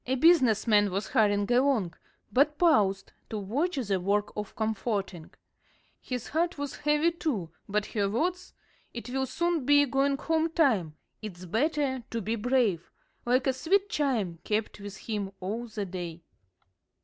A business man was hurrying along, but paused to watch the work of comforting. His heart was heavy, too, but her words: "It will soon be going home time it's better to be brave," like a sweet chime, kept with him all the day.